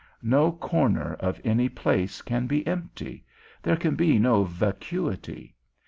No corner of any place can be empty; there can be no vacuity.